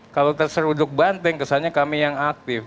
kalau terseruduk banteng kesannya kami yang aktif